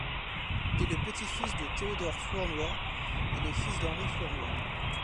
Il est le petit fils de Théodore Flournoy et le fils d'Henri Flournoy.